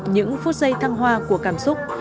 những phút giây thăng hoa của cảm xúc